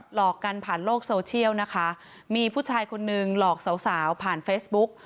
หลอกกันผ่านโลกโซเชียลนะคะมีผู้ชายคนนึงหลอกสาวสาวผ่านเฟซบุ๊ก